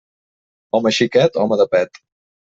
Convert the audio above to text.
Home xiquet, home de pet.